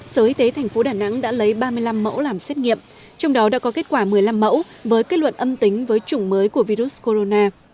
sở y tế tp đà nẵng đã lấy ba mươi năm mẫu làm xét nghiệm trong đó đã có kết quả một mươi năm mẫu với kết luận âm tính với chủng mới của virus corona